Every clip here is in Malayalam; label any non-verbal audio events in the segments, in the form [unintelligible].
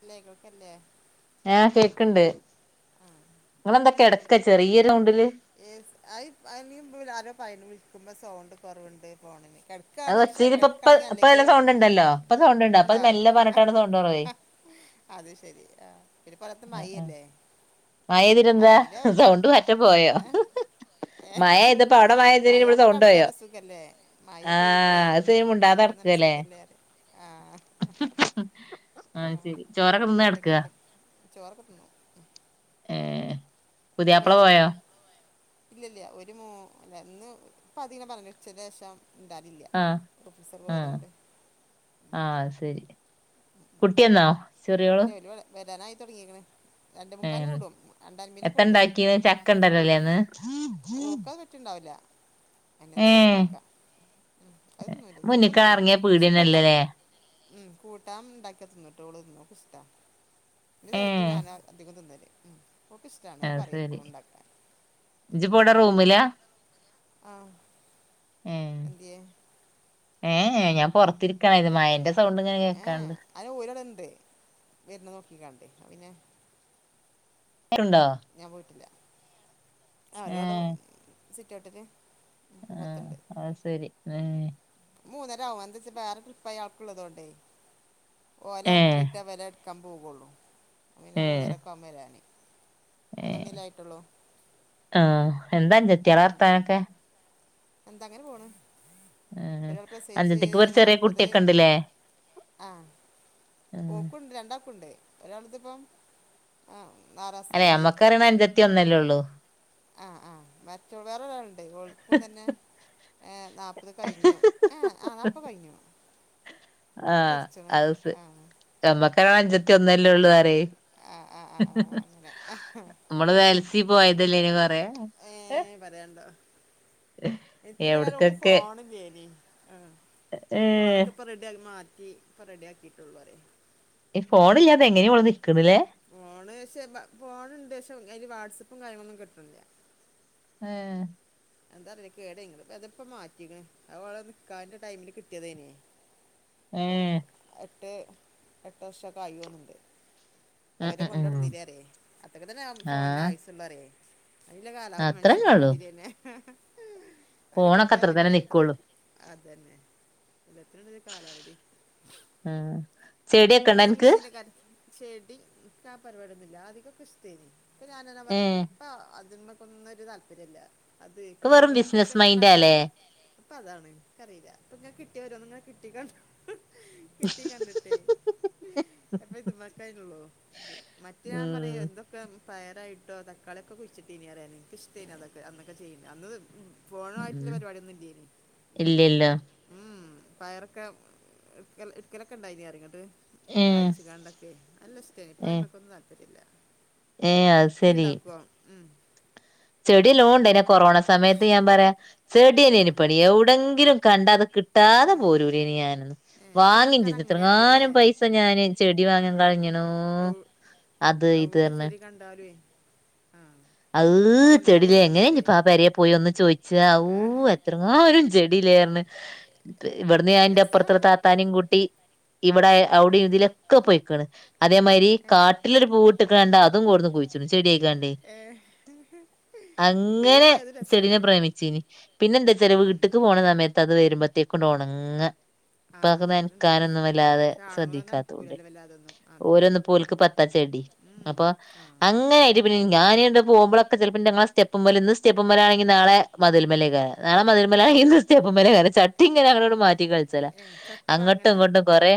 ഇല്ലേ കേൾക്കല്ലെ ആഹ് കേക്കണ്ട് ഇങ്ങളെന്തൊ കെടക്കെ ചെറിയ സൗണ്ടില് ഏസ് അയ് അയമീൻ അരോ പൈ വിളിക്കുമ്പോ സൗണ്ട് കൊറവുണ്ട് ഫോണിന് കെട് അത് ഒച്ചീലിപ്പം ഇപ്പ ഇപ്പെല്ലാം സൗണ്ട്ണ്ടല്ലോ ഇപ്പൊ സൗണ്ട്ണ്ട് അപ്പൊ അത് ഇണ്ടോ മെല്ലെ പറഞ്ഞിട്ടാണ് സൗണ്ട് കൊറവേ അത് ശെരി ആഹ് പിന്നെ പോരാത്തെ മയല്ലേ? മഴ പെയിതിറ്റെന്താ അല്ലെങ്കില് സൗണ്ട് പറ്റെ പോയോ മയ ചെയ്തപ്പോ അവിടെ മഴ പെയ്തേന് ഇവിടെ അപ്പൊ സൗണ്ട് പോയോ കിടക്കാനല്ല സുഖല്ലേ മഴ പെയ്യുമ്പളേ ആഹ് അത് [unintelligible] മിണ്ടാതെ നടക്കാല്ലേ ആഹ് ആഹ് ശരി ചോറൊക്കെ തിന്ന് കെടക്കാ എന്തൊക്കെയുണ്ട് ചോറൊക്കെ തിന്നു ഏഹ് അത് പുതിയാപ്പള കഴിഞ്ഞീല്ലേ പോയോ ഇല്ല ഇല്ല ഒരു മൂ അല്ല ഇന്ന് [unintelligible] പറഞ്ഞു ഉച്ചക്കേഷം ഇണ്ടാവലില്ലാ ആഹ് ആഹ് ആഹ് അത് ശരി കുട്ടി വന്നോ ചെറിയോള് വെരുവേ വെരാനായി തൊടങ്ങീക്കണ് രണ്ടേ മുക്കാലിന് ഏഹ് വിടും രണ്ടേ അൻപതിനൊക്കെ എത്ത വിടും ഇണ്ടാക്കീന്ന് ചക്ക ഇണ്ടല്ലോല്ലേ ഇന്ന് ഓക്കത് പറ്റെണ്ടാവില്ലാ അങ്ങനെ എന്തേലൊക്കെ ഏഹ് കൊടുക്കാ ഉം അത് നിന്നും ചെലപ്പോ മുന്ന്ക്കാ നിന്നും എറങ്ങിയ പക്ഷെ കൂട്ടാ പീടിയന്നല്ലല്ലേ ഉം കൂട്ടൻ ഇണ്ടാക്കിയാ തിന്നുട്ടോ ഓള് തിന്നും ക്ക്ഷ്ട്ടാ ഇൻ്റെ ചെറുതും ഏഹ് ഞാനുവാ അധികം തിന്നല് ഓക്കിഷ്ട്ടാണ് അത് പറയും എപ്പളും ഇണ്ടാക്കാൻ ഇജിപ്പെവിടെ റൂമിലാ ആഹ് എന്തിയെ ഏഹ് ഞാൻ പൊറത്തിരിക്കണായിരുന്ന് മഴേൻ്റെ സൗണ്ട് ഇങ്ങനെ കേക്കാണ്ട് അയിന് ഓരാടെ ഇണ്ട് വരുന്ന നോക്കിക്കാണ്ട് ഞാ പിന്നെ [unintelligible] ലുണ്ടോ ഞാൻ പോയിട്ടില്ലാ ആഹ് ഏ ഒരുപാട് സിറ്റൗട്ടില് ആഹ് മുപ്പത്തൊണ്ട് അത് സരി [unintelligible] മൂന്നര ആവും എന്തച്ചാ വേറെ ട്രിപ്പയാക്ക് ഉള്ളതോണ്ടേ ഓലെ ഏ എർക്കീട്ടാ ഇവലെട് ക്കാം പൊവൊള്ളൂ. അപ്പംപിന്നെ ഏ മൂന്നരക്കാവും വരാന്. മൂന്നണ്യല്ലേ ആയിട്ടുള്ളൂ. ആഹ്. എന്ത അഞ്ചത്തിയേളെ വർത്താനൊക്കെ? എന്താ അങ്ങനെ പോണ്. ഉം ഒരാൾ പ്രസവിച്ച് അഞ്ചത്തിക്ക് ഇപ്പൊ ഒരു ചെറിയ നാപ്പത് കുട്ടിയൊക്കെ ഉണ്ട്ല്ലേ ആഹ് ഉം ഓക്കുണ്ട് രണ്ടാക്കുണ്ട്. ഒരാൾത് പ്പം ആഹ് അല്ലെ നാറാസായി. നമ്മക്കറിയണ അഞ്ചത്തി ഒന്നല്ലേ ഉള്ളൂ ആഹ് ആഹ് മറ്റോൾ വേറെ ഒരാള്ണ്ട് ഓൾ ക്കും തന്നെ ഏഹ് നാപ്പത് കഴിഞ്ഞു ഏഹ് ആഹ് നാപ്പത് കഴിഞ്ഞു. ആഹ് ചിറിച്ചണ് അഹ് സ് ആ ഞമ്മക്കൊരാള് അഞ്ചത്തി ഒന്നല്ലൊള്ളു പറ്യേ. ആഹ് ആഹ് ആഹ് ആഹ് അങ്ങനെ നമ്മള് വെൽ ത്തി പോയതല്ലേന്യൊ കൊറേ. ഏഹ് പറയാണ്ടോ. ഇത്ര കാലം ഓക്ക് എവിടക്കൊക്കെ ഫോണ് ഇല്ലേനി. ആഹ്. പിന്നെ ഏ ഫോണൊക്കെ ഇപ്പം റെഡി ആ മാറ്റി ഇപ്പം റെഡി ആക്കിയിട്ടൊള്ളു പറ്യേ. ഈ ഫോണ് ഇല്ലാതെ എങ്ങനേ ഓള് നിക്ക്ണ് ല്ലേ. ഫോണ് പക്ഷെ ബ ഫോണുണ്ട് പക്ഷെ അയ്ല് വാട്സആപ്പും കാര്യങ്ങളൊന്നും കിട്ട്ണ്ല്ല. ഏഹ് എന്താ അറീല. കേടായ്ങ്ണ്. ഇപ്പത്പ്പം മാറ്റീക്ക്ണ്. അതോളെ നിക്കാഹിന്റെ ടൈമില് കിട്ട്യതേനി. ഏ ഇപ്പം എട്ട് എട്ട് വർഷൊക്കായി തോന്ന്ണ്ട്. അഹ് ഉം വരെ ഉം ഉം കൊണ്ടടന്നീലേ പറ്യേ അത്രൊക്കെ തന്നെ ആ ഫോണിന് ആയുസ്സൊള്ളൂ പറ്യേ. അയ്ന്ല്ലെ കാലാവധി അത്രന്നെ മനുഷ്യന്റെ ഉള്ളു മാതിര്യെന്നെ. അതന്നെ ഫോണൊക്കെ കിട്ടിയാ അത്ര തന്നെ വല്യ അത്രെ. നിക്കുള്ളൂ അതന്നെ. എല്ലത്തിനുണ്ടൊരു കാലാവധി. ആ ചെടിയൊക്കെ ഉണ്ടോ പിന്നെന്താ അനക്ക് മെഷീൻ ന്റെ കാര്യം ചെടി ഇൻക്കാ പരിപാട്യൊന്നുല്ല. ആദിക്കൊക്കെ ഇഷ്ടേനി. ഇപ്പ ഞാനാ ഞാൻ ഏ പർഞ്ഞിനി ഇപ്പ അതിമക്ക് ഒന്നും ഒരു താല്പര്യല്ല. അത് ഇപ്പൊ വെറും കൃഷിമക് ബിസിനസ് കൃഷിയൊക്കെ ഉണ്ടാക്കീനി. മൈൻഡാല്ലേ ഇപ്പ അതാണ്. ഇൻക്കറീല. ഇപ്പങ്ങ കിട്ടിയ ഓരോന്ന് ങ്ങനെ കിട്ടീ കണ്ട് കിട്ടി കണ്ടിട്ടേയ്. അപ്പൊ ഇത് മ്മക്കയ്നൊള്ളൂ ഇത്. മറ്റെ ഞാൻ പറയേ ഉം എന്ത ക്കെ പയറായിട്ടോ തക്കാളിയൊക്കെ കുഴിച്ചിട്ടീനി പറയാ ഞാന്. ഇൻക്കിഷ്ട്ടേനി അതൊക്കെ അന്നൊക്കെ ചെയ്യ്ണത്. അന്ന് ഫോണായിറ്റ്ല്ലെ ഉം പരിപാടിയൊന്നും ഇല്ലേനി. ഇല്ലല്ലോ ഊംഉം പയറൊക്കെ ഇട്ക്കൽ ഇടുക്കലൊക്കെ ഇണ്ടായിനി പറ്യ. ഇന്നട്ട് ഏ കായ്ച്ച്കാണ്ടൊക്കെ നല്ല ഇഷ്ടേനി. ഇപ്പ ഏ അയിമക്കൊന്നും താല്പര്യല്ല. ഏ അത് ശരി ഇയ്യ്ണ്ടാക്കോ? ഉം ചെടി നല്ലോണ്ടായ്നി. ആ കൊറോണ സമയത്ത് ഞാൻ പറയാ ആ ചെട്യെന്നേനി പണി. എവ്ടെങ്കിലും കണ്ടാ അത് കി ഏ ട്ടാതെ പോരൂലേനി ഞാൻ. ഏ ചില വാങ്ങിം ആൾക്കാർ ചെയ്ത്. അങ്ങനെയാണല്ലോ അല്ലേ എത്രങ്ങാനും പൈസ ഞാന് ചെടി ആ വാങ്ങാൻ കളഞ്ഞ്ണോ. എവ്- അത് ഇത് അവിടെ പറഞ്ഞ് ചെടി കണ്ടാല്വേ ആഹ് അഹ് ചെടിലേ എങ്ങനെ ഇഞ്ഞ്പ്പാ പെരെ പോയി ഒന്ന് ചോയിച്ചാ അഹൂ ആ എത്ര ങ്ങാനും ചെടിലേർഞ് ഇവട്ന്ന് ഞാന്റെ അപ്പർത്തുള്ള രസാണ് താത്താനിം കൂട്ടി ഇവടെ ഏ അവ്ടിം ഇതിലൊക്കെ പോയിക്ക്ണ്. അതേമായിരി ഏ കാട്ടിലൊരു പൂവ് ട്ട്ക്ക്‌ണതണ്ട് അതും കൊട്ന്ന് കുയിച്ചിടും ചെടിയായ്ക്കാണ്ടേ. ഏഹ് അങ്ങനെ ചെടിനെ പ്രേമിച്ചീനി. പിന്നെ എന്താച്ചാല് ഉം വീട്ട്ക്ക് പോണ സമയ ത്തത് വെരുമ്പോത്തേക്കും ങ്ങട്ടൊണങ്ങാ ആ ഇപ്പൊ അതൊക്കെ അങ്ങനെ ഉണ്ടൊരു നനക്കാനൊന്നും പ്രശ്നം വല്ലാതെ പക്ഷെ ആണുങ്ങളൊന്നും ശ്രദ്ധിക്കാത്തൊണ്ട് അനക്കൂലല്ലോ വല്ലാതൊന്നും അതന്നെ ഓരോന്ന് പ്പോൽക്ക് പത്താ ചെടി ഉം അപ്പൊ ആ അങ്ങനൊയിട്ട് പിന്നെ ഞാനിട് പോവുമ്പളൊക്കെ ചെലപ്പ ഞങ്ങള സ്റ്റെപ്പ്മ്മല്ന്ന് ഇന്ന് സ്റ്റെപ്പുമ്മലാണെങ്ക നളെ മതിൽമലേക്കാരും നാളെ മതിൽമലാണെങ്കി ഇന്ന് സ്റ്റെപ്പ്മ്മലെക്കാരും ചട്ടി ഇങ്ങനെ അങ്ങനോട് മാറ്റി കളിച്ചാല് ഏ ചട്ടി അങ്ങോട്ടും വാങ്ങല ഇങ്ങോട്ടും കൊറെ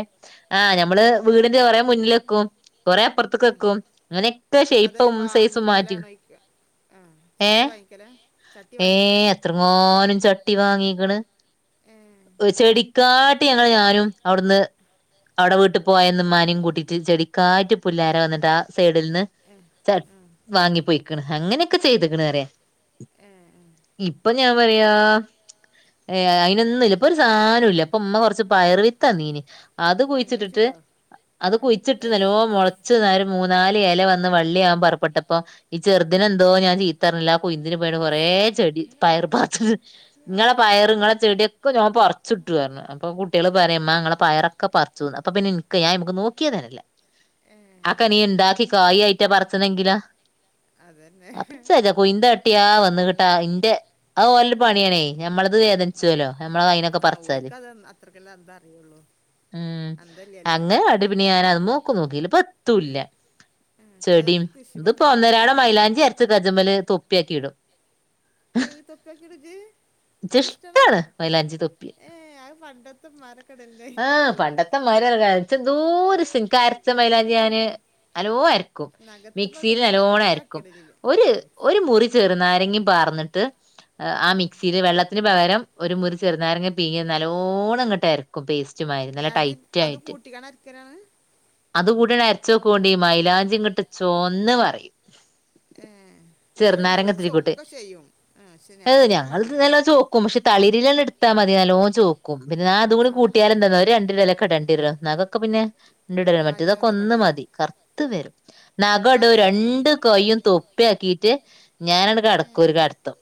ആഹ് ഞമ്മള് വീടിന്റെ കൊറെ മുന്നിലെക്കും കൊറെ അപ്പുറ ത്ത്ക്കെക്കും അങ്ങനെക്കെ ഷേപ്പും സൈസും മാറ്റി ഇക്ക് ആ ചട്ടി ഏഹ് വാങ്ങിക്കലാ ചട്ടി വാങ്ങിക്കലാ ഏഹ് എത്രങ്ങാനും ചട്ടി വാങ്ങിക്കണ് ഏ ഒ ചെടിക്കാട്ടി ഞങ്ങള് ഞാനും അവിടുന്ന് അവടെ വീട്ടിൽ പോയന്ന് മ്മാനിം കൂട്ടിട്ട് ചെടിക്കായിട്ട് പുല്ലേരെ വന്നിട്ട് ആ സൈഡിൽന്ന് ഏ ച ആ വാങ്ങി പോയിക്കണ് അങ്ങനെയൊക്കെ ചെയ്തക്കണറ ഏ ഏ ഇപ്പൊ ഞാൻ പറയാ അത് ഏ അയിനൊന്നുല്ല പ്പൊരു സായനൊല്ല പ്പമ്മ കൊറച്ച് പയറ് വിത്തന്നീന് അത് ഏ കുയിച്ചിട്ടിട്ട് അഴിച്ചിട്ടോ അത് ഏ കുയിച്ചിട്ട് ഉണ്ടായോ നല്ലോം മൊള ച്ച് നേരം മൂന്നാല് ഇല വന്ന് വള്ളിയാകൻ പറപ്പെട്ടപ്പൊ ഈ ചെറുതിനെ എന്തോ ഞാൻ ചീത്തറഞ്ഞില്ലേ ആ കുയിന്തിന് പോയി കൊറെ ചെടി പയർ പാ ആവൂ ആ ങ്ങളെ പയർ ഇങ്ങളെ ചെടി ക്കെ ഞാ പറിച്ചിട്ടു പറഞ്ഞു അപ്പൊ കുട്ടികള് പറയ മ്മാ ങ്ങളെ പയറൊക്കെ പറിച്ചു ന്ന് അപ്പൊ പിന്നെ ഇൻക് ക്കെ ഞാൻ അയ്മ്മക്ക് നോക്കിയതന്നെല്ല ഏ അതക്കെ നീ ണ്ടാക്കി കായി ആയിട്ടാ പറച്ചനെങ്കിലോ അതന്നെ കുയിന്താട്ടിയാൽ വന്നിട്ടാ ഇന്റെ അത് ഓല പണിയാണേയ് ഞമ്മളത് ഉം ഉം വേദനിച്ചുവല്ലോ ഞമ്മളെ കായിനൊക്കെ ആ പറിച്ചാല്. ഓൽക്കത് അത്രക്കെല്ലാം എന്താ അറിയുള്ളൂ ഉം അന്തല്ലല്ലോ അങ്ങനെ കാട്ടി പിന്നെ ഞാന് അത്മ്മെക്ക്‌ നോക്കിയില്ല ത്തുല്ല ആ ചെടിം ചിലർക്ക് ഇപ്പൊ കൃഷിമൊക്കെ നല്ല ഒന്നരാടം ഇതാണല്ലോ മൈലാഞ്ചി അറിയാലേ അരച്ചു കജ്ജ്മ്മല് തൊപ്പിയാക്കി ഇടും ഈ തൊപ്പി ആക്കി ഇടോ ജ്ജ് ഇച്ച് അൻക്കിഷ്ട്ടാണോ അത് ഇഷ്ടാണ് മൈലാഞ്ചി തൊപ്പി ഏഹ് ആത് പണ്ടത്തെ മ്മാരൊക്കടല്ണ്ടെയ് അത്തമ്മാര് പറീണ ച്ചെന്ദോര് ഷ്ട്ടാ ഇൻക് അരച്ച് മൈലാഞ്ചി ഞാന് അലോ അരക്കും അക ക്സീല് നല്ലോണരക്കും ഒര് ഒര് മുറി ചെറ്ന്നാരങ്ങി പാർന്ന്ട്ട് ആ മിക്സിയില് വെള്ളത് ന് പകരം ഒര്മുറി ചെറുനാരങ്ങ പീയ്യ ന്നല്ലോണ്ണം ഇങ്ങട്ടരക് ക്കൊ പേസ്റ്റ്മാരി ന്നല്ല അത് ടൈറ്റ് അത് ആയ്റ്റ് കൂട്ടിക്കാണ് അരക്കലാണ് അതുംകൂട്ടി അണ് അരച്ചോക്കൊണ്ടി ഈ മൈലാഞ്ചി കിട്ട് ച്ചോന്ന് പറയും. എഹ് ഇമ്പടെണ്ട് ഇവ്ട്ത്തെ ചോക്കക്കെ ചെയ്യും ഷെ ഞാന് ഇൻക്ക് മടിയാണ്. ക്കും പഷെ തിളിരിലാണ് ഇട്ത്താ മതി ന്നല്ലോം ചോക്കും പിന്നെ ആ അതൂടി കൂട്ടിയാല് എന്താന്നോ ഒരുരണ്ടിലെലക് ക്ക ണ്ടൻണ്ടി വേരാ നാഗോക്കെ പിന്നെ ഇണ്ട്ടോ കാലിൻ്റെ മറ്റേതൊക്കെ അകത്ത് ഒന്ന് മടുവാ മതി കർത്ത് വരും നഗ് അടോ കാലിൻ്റെ അകത്ത് മടു രണ്ട് കയ്യും തൊപ്പി ആക്കിറ്റ് ഞാനട് ഏ കടക്കും ഒര് കടത്തം.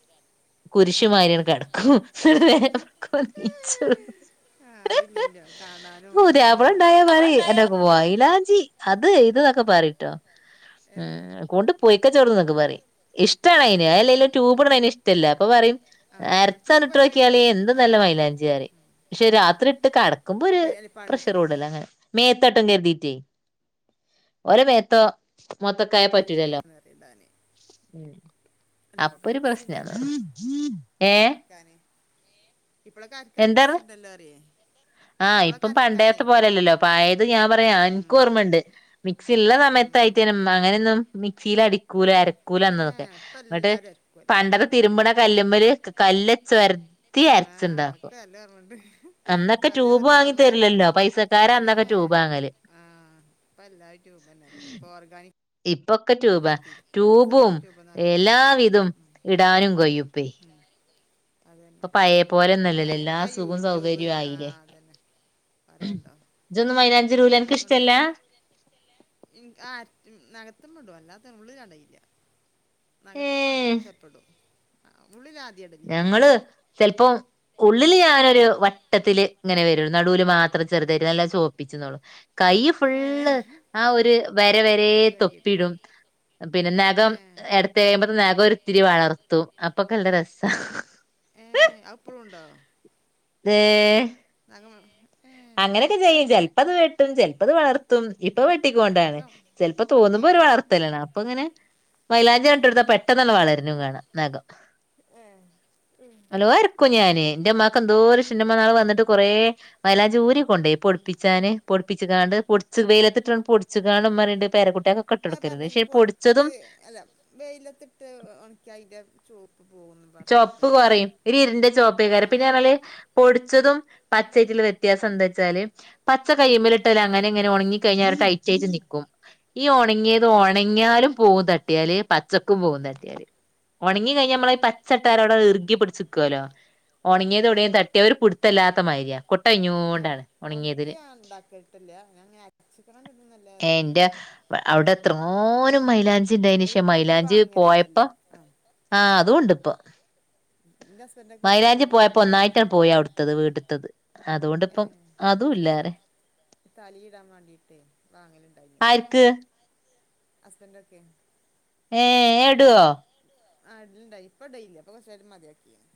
കുരിശുമാരിയണ് അതാ കെടക്കും [unintelligible] ന്നീച്ചോള്ളൂ ആഹ് ആരുല്ലല്ലോ കാണാനും ഇതിനും ഓള്ണ്ടായ പറിം അൻന്റോക്കെ വൈലാഞ്ചി അത് ഇതനൊക്കെ പറയ്ട്ടോ. ഏ എഹ് കൊണ്ട് പോയിക്ക ജ്ജ്ഔട്ന്ന്ന്നൊക്കെ പറിം ഇഷ്ട്ടാണ് ഹേ അയിന് അല്ലെലും ട്യൂബ്ട്ണയിന് ഇഷ്ടല്ല അപ്പൊ പറിം. ആ അല്ല അരച്ചണ് ട്യൂബ് അല്ലെങ്കിൽ ഇട്ടോക്കിയാല് നമുക്ക് എന്ത് ആ ന്നല്ല അതന്നെ മൈലാഞ്ചിയാറിം. ഷെ ശരിയാണ് രാത്രി ഇട്ട് കടക്കുമ്പോര് ഇപ്പം അല്ല പ്രഷർ പണ്ട് കൂടല്ല അങ്ങനെ മേത്തട്ടും കരുതിട്ടേ ഒരെ മേത്തോ മൊത്തക്കായ പറ്റുലല്ലോ അറിയണ്ടാന് അല്ല ഇപ്പൊക്കെ അപ്പൊര് പ്രശ്നാണ് ഏഹ് ക്കാന് ഇപ്പളൊക്കെ അരക്കാൻ എന്താർഞ്ഞെ മിക്സിണ്ടല്ലോ അറിയേ ആഹ് ഇപ്പളൊക്കെ ഇപ്പം അരക്കാനേ പണ്ടേത്തെ പോലല്ലല്ലോ പായെത് ഞാൻ പറയാ ഉം അൻക്കൊർമ്മണ്ട് മിക്സിള്ള ഉം സമയത്തായിട്ടെനെ ഇമ്മാ അങ്ങനോന്നും മിക്സിയിൽ അടി ക്കൂല ആ അരക്കൂല ഏ അന്നതൊക്കെ ഇപ്പ ന്ന്ട്ട് എല്ലാരും അരക്കുവല്ലോ പണ്ടേത്തെ ഉം തിരുമ്പ്ണേ കല്ലുമോര് കല്ലേച് ഒര്തി ആ അരച്ച്ണ്ടാക്കണം. അതൊക്കെ നല്ല ഓർമ്മണ്ട് അന്നൊക്കെ അത് ട്യൂബ് അതുപോലെ വാങ്ങി നമ്മള അര തെര്ലല്ലോ പൈസക്കാര അന്നൊക്കെ ട്യൂബ് വാങ്ങല് ഇപ്പൊ എല്ലാ ഈട്യൂബന്നല്ലെ ഇപ്പ ഓർഗാനിക് ഇപ്പൊക്കെ ട്യൂബ എത്തില്ലേ ഇപ്പ സാധാ ട്യൂബും ട്യൂബ്ന്ന് അരക്കണാണ് എല്ലാവിധം ഇടാനും കൊയുപ്പേയ്. അതെന്നെ പ്പയ് പോലെന്നല്ലല്ലോ എല്ലാ അയിനൊക്കെ സുഖം യൂട്യൂബ് സൗകര്യവും ആയില്ലേ ആഹ് അതന്നെ. പറയണ്ടോ ജ്ജ്ജോന്നും മൈലാഞ്ചിടുലാ അൻക്ക് ഇഷ്ടല്ലാ ആഹ് ഇൻക് ആഹ് നഗത്തുംമേടും അല്ലാത നമ്മള് [unintelligible] നകത്ത് വാൺ ഏഹ് ചെൽപ്പടും ആഹ് ഉള്ളിലാ ഞങ്ങള് ചെൽപ്പോ ഉള്ളില് ഞാനൊരു വട്ടത്തില് ഇങ്ങനെ വെരു ന്നടുൽ മാത്രം ചെറ്തായിട്ട് ന്നല്ല ചോപ്പിച്ചുന്നോളു. കൈയ്യ് ഫുള്ള് ഏ ആഹ് ഒര് വര വരെ തൊപ്പിയാക്കിയിട്ട് തൊപ്പിടും. പിന്നെ ഏ നഖം എടക് തേയ്പത്ത് നഖോ ഇത്തിരി വളർത്തും അപ്പൊക്കെ നല്ല രസാഹ്. ഏഹ് അയ് ഇപ്പളൂണ്ടോ ദേ നഖം വളർത്ത ഏഹ് അങ്ങനെക്കെ ചെയ്യും ചെൽപ്പത് വെട്ടും ചെൽപ്പത് വളർത്തും ഇപ്പൊ വെട്ടിക്കൊണ്ടാണ് നഖം ചെൽപ്പോ ഏ തോന്നുമ്പോ ഒരു വളർ ത്തലാണ് അപ്പോങ്ങനെ മൈലാഞ്ചി ഏ ഇട്ടോട്ത്താ പെട്ടന്നന്നെ വളര്ന്നു കാണാ നഖം എഹ് ഏഹ് ല്ലോഅര്ക്കും ഞാൻ ന്റെ മ്മാക്ക് എന്തോരിഷ് ന്റെമ്മ ന്നാൾ വന്ന്ട്ട് കൊറേ മയിലാഞ്ചൂരി കൊണ്ടയ് പൊട്പ്പിച്ചാന് പൊട്പ്പിച്ച്കാണ്ട് പൊട്ച്ച് വെയിലത്തിട്ടണ് പൊട്ച്ച് കാണ്ട് മ്മർയ്ണ്ട് പെരക്കുട്ട്യക്കൊ അതാ ർഞ് പൊടുത്ത് അല്ല വെയിലത്തിട്ട് ഉണക്ക്യാ അയിന്റെ ചോപ്പ് പോകുന്ന് ചോപ്പ് കോറയും ഒര് ഇര്ണ്ട ആ ചോപ്പേക്കാരം പിന്നർഞ്ഞാല് പൊടിച്ചതും പച്ചായ്റ്റ്ള്ള വ്യത്യാസെന്താച്ചാൽ പച്ച കയ്യ്മ്മല് ട്ടല് അങ്ങനെങ്ങനെ ഒണ്ങ്ങി ക്കഴിഞ്ഞരു ട്ടയ്റ്റെയ്റ്റ് നിക്കും ഈ ഒണങ്യെത് ഒണങ്യാലും പൂ തട് ട്ടിയാല് പച്ചക്കും പോകും തട്ടിയാല് ഉണങ്ങികഴിഞ്ഞ ഏ നമ്മള പ ചട്ടാരോട ഇർഗി പിടിച്ചുക്കുവല്ലോ ആ ആ ഉണങ്ങിയതോടെയും തട്ട അവര് പുടുത്തല്ലാത്ത മാരിയ കുട്ട കഞ്ഞൊണ്ടാണ് ഉണക്കിയ ഉണ്ടാക്കിയിട്ടില്ല അങ്ങനെ ഞ അച്ചിക്കണം കിട്ടുന്നല്ലാ അത് എന്റെ അവിടെ എത്രോനും മൈലാഞ്ചി ഉണ്ടായിന് അതിൽ പക്ഷേ പൊടി മൈലാഞ്ചി പോയപ്പോ വാങ്ങലുണ്ടല്ലോ ആ ആഹ് അതുണ്ട് ഇപ്പൊ നിന്റെ ഹസ്ബന്റ് മൈലാഞ്ചി പോയപ്പോ ഒന്നായിട്ടാണ് പോയി അവിടുത്തത് വീട്ടത്തത് അതുകൊണ്ടിപ്പം ഏഹ് അതും ഓല് ഇല്ലാരേ തലീടാൻ വാണ്ടിയിട്ടേ വാങ്ങല്ണ്ടായീനി പറിയാ ആർക്ക് ഹസ്ബൻഡൊക്കെ ഏഹ് എടുവോ? ആ ഇടല്ണ്ടായിനി ഇപ്പെടേല്ല്യ ഇപ്പൊ കൊറച്ചായിട്ട് മതിയാക്കിണ്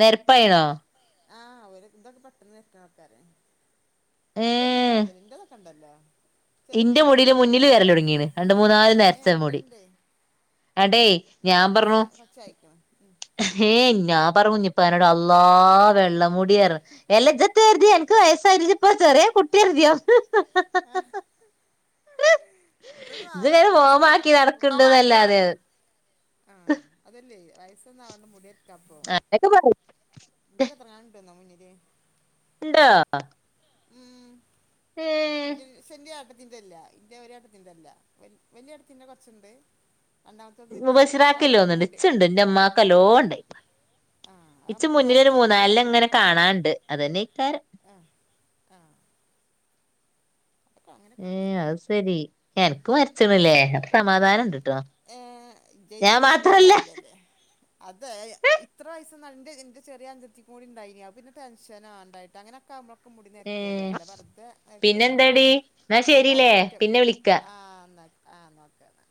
നെരപ്പായിണോ? ആഹ് ഓര് ഇതൊക്കെ പെട്ടെന്ന് നെരക്ക്ണാൾക്കാര അന്റൊന്നും ഏഹ് ഇണ്ടാവുലല്ലേ? ഇന്റെതൊക്കണ്ടല്ലോ ഇന്റെ മുടീല് മുന്നില് വെരലൊടുങ്ങീണ് രണ്ട്, മൂന്നാല് ഏഹ് നെരച്ച മുടി ഇന്റെണ്ട് ഇങ്ങട്ടെ ഞാൻ പറഞ്ഞു നർച്ചായായിക്ക്ണ് ഉം ഏ ഞാൻ പറഞ്ഞു കുഞ്ഞിപ്പാനോട് അള്ളാ വെള്ള മൂടിയർഞ് എല്ലാ ഇജെത്താ കര്തിയെ അൻക്ക് വയസ്സായില്ല ഇജ്ജ്പ്പെളും ചെറിയ കുട്ടിയാര്തിയോ ഇതൊന്നും ഇജ്ങ്ങനെ ആവണ്ട വയസ്സൊന്നും ഫോമാക്കി ആവണ്ട ഇപ്പം നടക്ക്ണ്ട് മുടി എന്നല്ലാതേന്ന് ആഹ് അതല്ലേ വയസ്സൊന്നും ആവണ്ട മുടി നെരക്കാപ്പൊ അങ്ങനെക്കെ പറയും ഇന്റൊക്കെ എത്രങ്ങാനും ഇണ്ട്ന്നറിയോ മുന്നില് ഇണ്ടോ? ഉം ഇന്റെ പക്ഷേ ഇന്റെ ഏട്ടത്തിന്റെല്ല ഇന്റെ ഒരു ഏട്ടത്തിന്റെല്ല വലി വല്ല്യ ഏട്ടത്തിന്റെ കൊറച്ച്ണ്ട് മുബഷിറാക്കില്ല തോന്നുണ്ട് ഇച്ച്ണ്ട് എന്റെ ഇമ്മാക്ക് നല്ലോ ഇണ്ടായിക്ക്ണ് ആ അത് ഇച്ച് നമുക്ക് അത് മുന്നിലൊരു ചേർക്ക് മൂന്നാലെണ്ണങ്ങനെ കാണാണ്ട് അതന്നെയ്ക്കാരം ആഹ് ആഹ് അങ്ങനെയൊക്കെ ഉണ്ട് ഏഹ് അഹ് സെരി ഏ അനക്ക് നെരച്ച്ണ്ല്ലേ? അപ്പം സമാധാനണ്ട്ട്ടോ ഏഹ് ഞാൻ ഇജൈന് ഇന്റെ മാത്രല്ല താഴല്ലേല്ലേ? അതെ ഇത്ര വയസ്സൊന്നും ഇന്റെ ഇന്റെ ചെറിയ അഞ്ചത്തിക്കും കൂടിണ്ടായീനി അഹ് പിന്നെ ടെൻഷനാ ഇണ്ടായിട്ടാ അങ്ങനെക്കാവുമ്പള നമുക്ക് മുടി നേരക്കോല്ലോ? ഏഹ് അല്ല വെറുതെ നെരക്കൊന്നുല്ല്യ പിന്നെന്താടി ഇന്നാ പിന്നെ ശരിലേ അതുപോലെ വിറ്റാമിൻ പിന്നെ വിളിക്കാ ആ ഇന്നാ ആഹ് ഇന്നാ ഓക്കെ ന്നാ